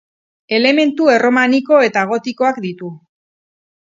Elementu erromaniko eta gotikoak ditu.